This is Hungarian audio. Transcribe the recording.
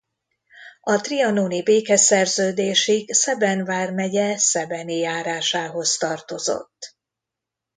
A trianoni békeszerződésig Szeben vármegye szebeni járásához tartozott.